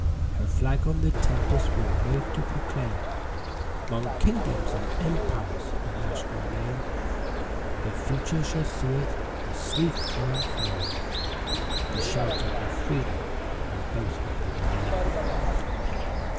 Her flag on the tempest will wave to proclaim 'Mong kingdoms and empires her national name; The Future shall see it, asleep or unfurl'd, The shelter of Freedom and boast of the world.